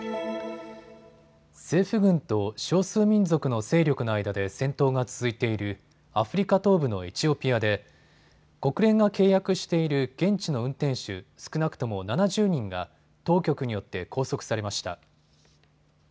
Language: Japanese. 政府軍と少数民族の勢力の間で戦闘が続いているアフリカ東部のエチオピアで国連が契約している現地の運転手、少なくとも７０人が当局によって拘束されました。